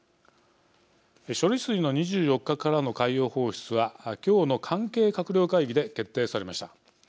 処理水の２４日からの海洋放出は、今日の関係閣僚会議で決定されました。